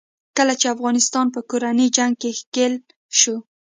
کله چې افغانستان په کورني جنګ کې ښکېل شو.